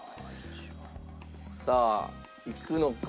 さあいくのか？